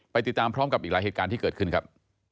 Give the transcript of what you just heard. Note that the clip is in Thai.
ติดตามพร้อมกับอีกหลายเหตุการณ์ที่เกิดขึ้นครับ